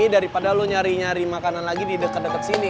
daripada lo nyari nyari makanan lagi di dekat dekat sini